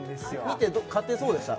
見て勝てそうでした？